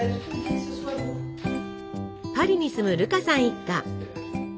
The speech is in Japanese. パリに住むルカさん一家。